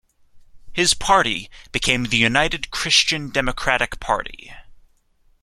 His party became the United Christian Democratic Party.